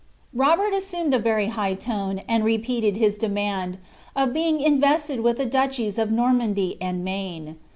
Robert assumed a very hi^ tone, and repeated his demand, of being vested with the duchies of Normandy and Maine.